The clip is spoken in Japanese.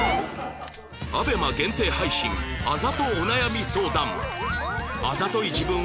ＡＢＥＭＡ 限定配信あざとお悩み相談